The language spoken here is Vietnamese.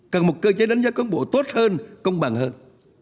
cần một cơ chế đánh giá cán bộ tốt hơn công bằng hơn